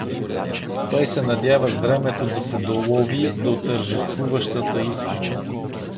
Той се надява с времето да се долови до тържествуващата истина.